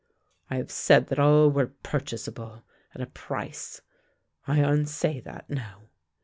I have said that all were purchasable — at a price. I unsav that now.